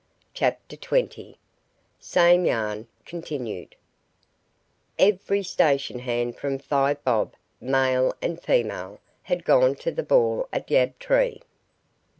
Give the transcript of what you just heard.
CHAPTER TWENTY Same Yarn continued Every station hand from Five Bob, male and female, had gone to the ball at Yabtree.